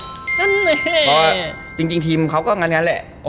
เพราะจริงทีมเขาก็งั้นแหละ